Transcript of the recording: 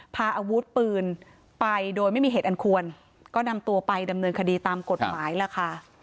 พาอาวุธปืนไปโดยไม่มีเหตุอันควรก็นำตัวไปดำเนินคดีตามกฎหมายล่ะค่ะ